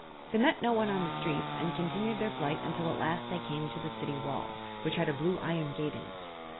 They met no one on the streets and continued their flight until at last they came to the City Wall, which had a blue iron gate in it.